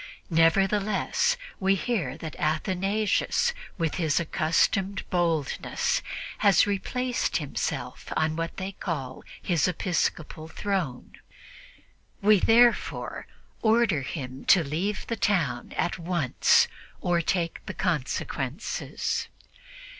Nevertheless, we hear that Athanasius, with his accustomed boldness, has replaced himself on what they call his 'episcopal throne.' We therefore order him to leave the town at once or take the consequences."